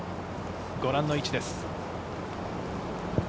ご覧の位置です。